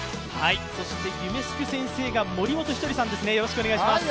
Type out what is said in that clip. そして夢すく先生が森本稀哲さんですね。